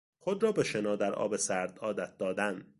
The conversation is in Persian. خود را به شنا در آب سرد عادت دادن